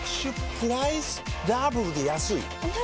プライスダブルで安いＮｏ！